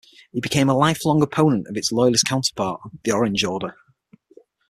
He became a lifelong opponent of its loyalist counterpart, the Orange Order.